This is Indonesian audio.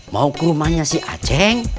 mau ke rumahnya si aceh